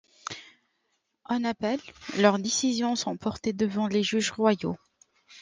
En appel, leurs décisions sont portées devant les juges royaux.